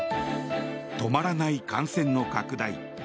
止まらない感染の拡大。